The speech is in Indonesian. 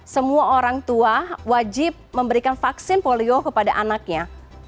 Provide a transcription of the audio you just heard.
semua orang tua wajib memberikan vaksin polio kepada anaknya